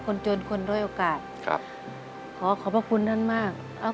ขอบคุณครับสาธุครับพระอาทิตย์ขอบคุณครับ